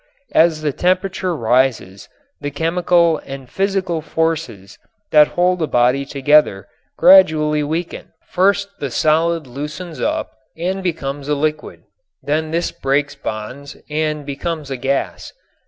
As the temperature rises the chemical and physical forces that hold a body together gradually weaken. First the solid loosens up and becomes a liquid, then this breaks bonds and becomes a gas.